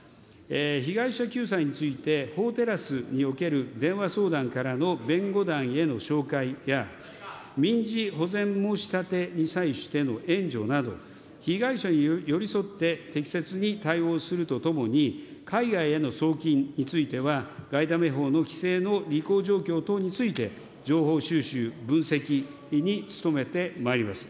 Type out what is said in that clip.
被害者救済について、法テラスにおける電話相談からの弁護団への紹介や、民事保全申し立てに際しての援助など、被害者に寄り添って適切に対応するとともに、海外への送金については外為法の規制の履行状況等について、情報収集、分析に努めてまいります。